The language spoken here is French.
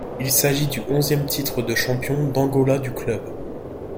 Il s'agit du onzième titre de champion d'Angola du club.